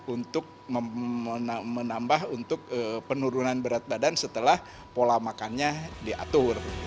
untuk menambah untuk penurunan berat badan setelah pola makannya diatur